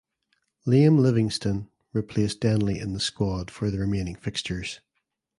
Liam Livingstone replaced Denly in the squad for the remaining fixtures.